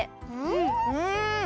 うん！